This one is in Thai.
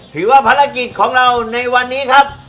ถือว่าภารกิจของเราในวันนี้ครับ